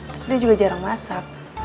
terus dia juga jarang masak